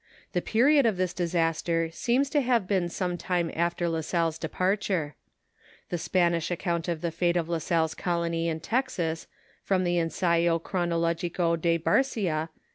The period of thia diaaster aeenu to have been some time after La Salle'i departure. The Spanish aooount of the fate of La Salle's colony in Texas, iVom the Ensayo Cronologioo of Baroia (p.